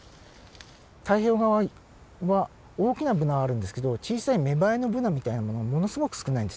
太平洋側は大きなブナはあるんですけど小さい芽生えのブナみたいなものがものすごく少ないんですね。